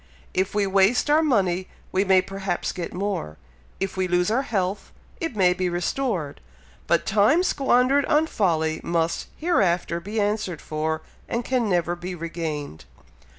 If we waste our money, we may perhaps get more if we lose our health, it may be restored but time squandered on folly, must hereafter be answered for, and can never be regained.